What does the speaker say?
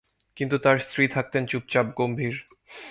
কিন্তু তার স্ত্রী থাকতেন চুপচাপ, গম্ভীর।